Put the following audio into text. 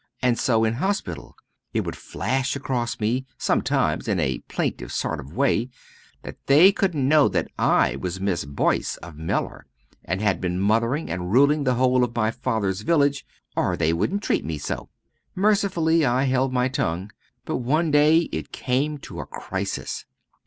And so in hospital; it would flash across me sometimes in a plaintive sort of way that they couldn't know that I was Miss Boyce of Mellor, and had been mothering and ruling the whole of my father's village or they wouldn't treat me so. Mercifully I held my tongue. But one day it came to a crisis.